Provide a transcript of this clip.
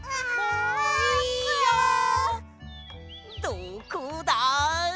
どこだ？